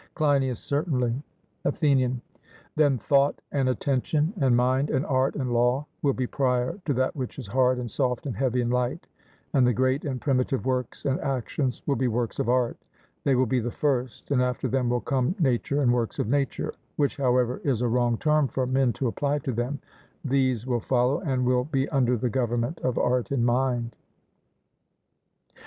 CLEINIAS: Certainly. ATHENIAN: Then thought and attention and mind and art and law will be prior to that which is hard and soft and heavy and light; and the great and primitive works and actions will be works of art; they will be the first, and after them will come nature and works of nature, which however is a wrong term for men to apply to them; these will follow, and will be under the government of art and mind.